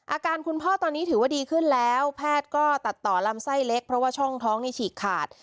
อาการคุณพ่อตอนนี้ถือว่าดีขึ้นแล้วแพทย์ก็ตัดต่อลำไส้เล็กเพราะว่าช่องท้องนี่ฉีกขาด